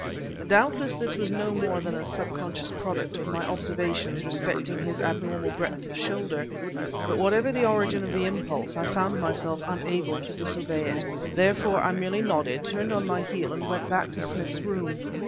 Doubtless this was no more than a sub conscious product of my observations respecting his abnormal breadth of shoulder. But whatever the origin of the impulse, I found myself unable to disobey it. Therefore, I merely nodded, turned on my heel and went back to Smith's room.